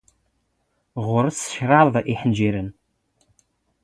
ⴷⴰⵔⵙ ⴽⵕⴰⴹ ⵉⵃⵏⵊⵉⵕⵏ.